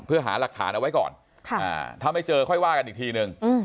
เพื่อหารักฐานเอาไว้ก่อนค่ะอ่าถ้าไม่เจอค่อยว่ากันอีกทีหนึ่งอืม